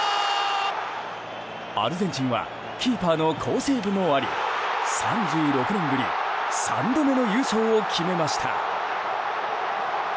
アルゼンチンはキーパーの好セーブもあり３６年ぶり３度目の優勝を決めました。